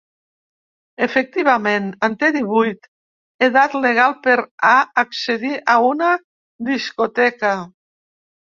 Efectivament, en té divuit, edat legal per a accedir a una discoteca.